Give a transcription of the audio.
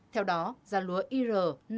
theo đó giá lúa ir năm mươi nghìn bốn trăm linh bốn